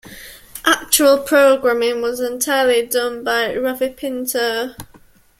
Actual programming was entirely done by Ravipinto.